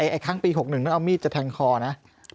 ไอ้ครั้งปี๖๑ต้องเอามีดจะแทงคอนะ